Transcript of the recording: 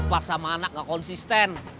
pas sama anak gak konsisten